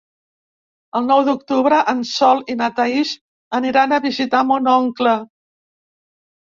El nou d'octubre en Sol i na Thaís aniran a visitar mon oncle.